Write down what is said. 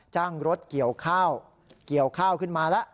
จ้างรถเกี่ยวข้าวเกี่ยวข้าวขึ้นมาแล้ว